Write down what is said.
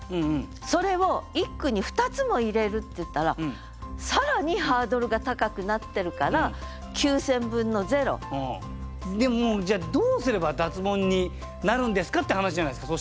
それを一句に２つも入れるっていったら更にハードルが高くなってるから９，０００分の０。でもじゃあどうすれば脱ボンになるんですかって話じゃないですか。